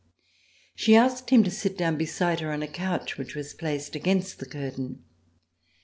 She asked him to sit down beside her on a couch which was placed against the curtain.